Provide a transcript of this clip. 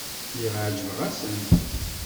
Lliɣ ɛejbeɣ-asent.